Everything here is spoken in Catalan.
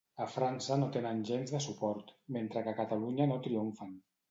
A França no tenen gens de suport, mentre que a Catalunya no triomfen.